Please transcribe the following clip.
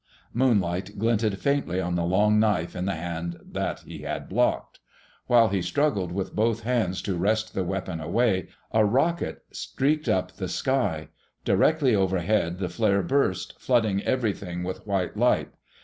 Moonlight glinted faintly on the long knife in the hand that he had blocked. While he struggled with both hands to wrest the weapon away, a rocket streaked up the sky. Directly overhead the flare burst, flooding everything with white light.